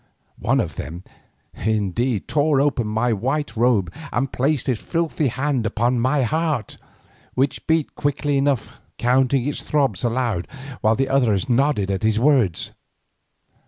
One of them, indeed, tore open my white robe and placed his filthy hand upon my heart, which beat quickly enough, counting its throbs aloud while the other nodded at his words.